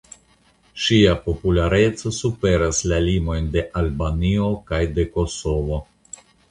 Ŝia populareco superas la limojn de Albanio kaj de Kosovo.